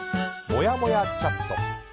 もやもやチャット。